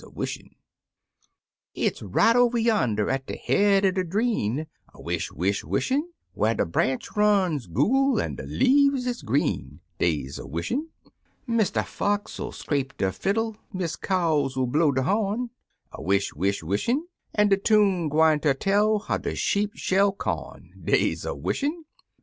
/I IVISHING SONG Ifs right over yonder at de head er de dreen — A wish, wish, wishin' — IVhar de branch runs google, an' de leaves isgreen— Des a wishin'. Mr. Fox 'II scrape de fiddle. Miss Caw 'II blow de horn — A wish, wish, wishin' — j4n' de tune gwineter tell how de sheep shell corn —■ Des a wishin'.